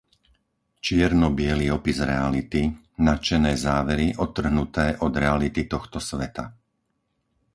Čierno-biely opis reality, nadšené závery odtrhnuté od reality tohto sveta.